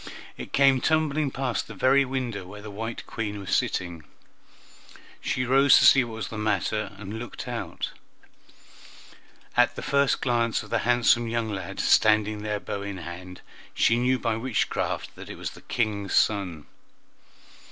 It came tumbling past the very window where the white Queen was sitting; she rose to see what was the matter, and looked out. At the first glance of the handsome young lad standing there bow in hand, she knew by witchcraft that it was the King's son.